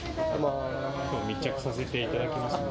きょう、密着させていただきますんで。